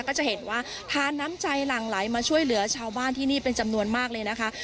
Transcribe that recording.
ก็จะเห็นว่าทานน้ำใจหลั่งไหลมาช่วยเหลือชาวบ้านที่นี่เป็นจำนวนมากเลยนะคะ